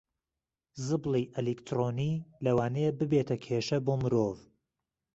زبڵی ئەلیکترۆنی لەوانەیە ببێتە کێشە بۆ مرۆڤ